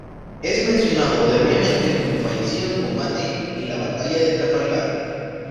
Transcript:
Es mencionado erróneamente como fallecido en combate en la Batalla de Trafalgar.